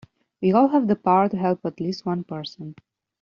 We all have the power to help at least one person.